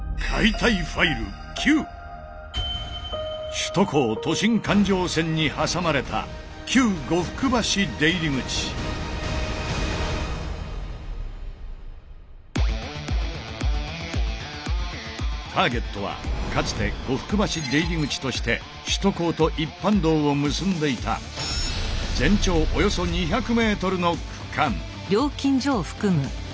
首都高都心環状線に挟まれたターゲットはかつて「呉服橋出入り口」として首都高と一般道を結んでいた全長およそ２００ｍの区間。